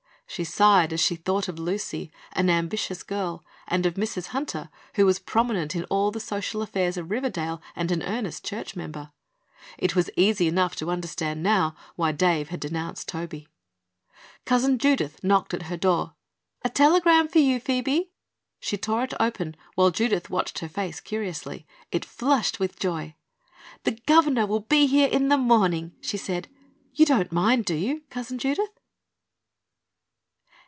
She sighed as she thought of Lucy, an ambitious girl, and of Mrs. Hunter, who was prominent in all the social affairs of Riverdale and an earnest church member. It was easy enough to understand now why Dave had denounced Toby. Cousin Judith knocked at her door. "A telegram for you, Phoebe." She tore it open, while Judith watched her face curiously. It flushed with joy. "The governor will be here in the morning," she said. "You don't mind, do you, Cousin Judith?"